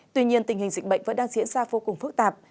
tuy nhiên tình hình dịch bệnh vẫn đang diễn ra vô cùng phức tạp